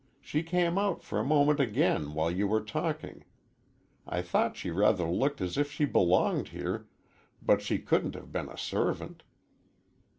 She came out for a moment again, while you were talking. I thought she rather looked as if she belonged here, but she couldn't have been a servant."